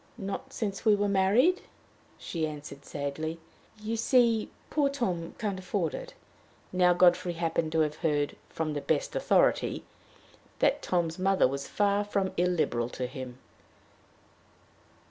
"Not since we were married," she answered, sadly. "You see, poor Tom can't afford it." Now Godfrey happened to have heard, "from the best authority," that Tom's mother was far from illiberal to him.